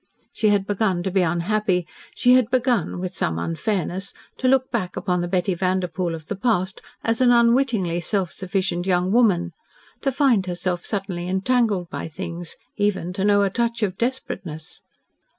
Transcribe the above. She had begun to be unhappy, she had begun with some unfairness to look back upon the Betty Vanderpoel of the past as an unwittingly self sufficient young woman, to find herself suddenly entangled by things, even to know a touch of desperateness.